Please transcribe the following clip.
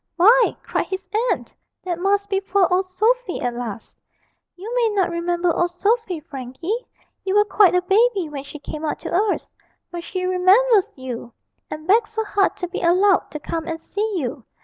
'Why,' cried his aunt, 'that must be poor old Sophy at last you may not remember old Sophy, Frankie; you were quite a baby when she came out to us; but she remembers you, and begged so hard to be allowed to come and see you.